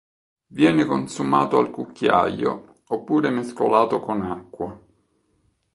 Viene consumato al cucchiaio oppure mescolato con acqua.